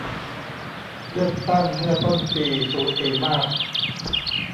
เลือกตั้งเมื่อต้นปีสูสีมาก